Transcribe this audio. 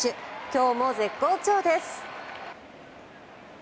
今日も絶好調です。